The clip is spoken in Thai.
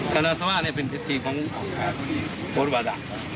คาลาซาว่าเนี่ยเป็นทีมของโบราต